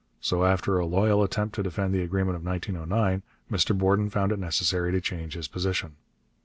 So, after a loyal attempt to defend the agreement of 1909, Mr Borden found it necessary to change his position.